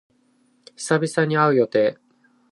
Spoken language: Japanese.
久々に会う予定。